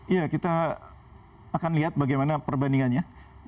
iya kita akan lihat bagaimana perbandingannya